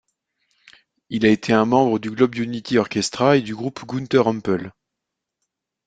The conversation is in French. Il a été un membre du Globe Unity Orchestra et du groupe Gunter Hampel.